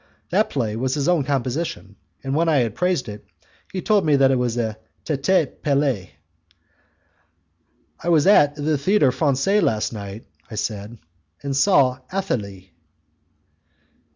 That play was his own composition, and when I had praised it, he told me that it was a 'tete pelee'. "I was at the Theatre Francais last night," I said, "and saw Athalie."